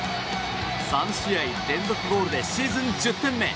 ３試合連続ゴールでシーズン１０点目。